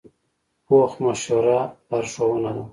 پوخ مشوره لارښوونه ده